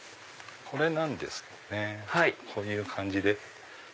これなんですけどねこういう感じで。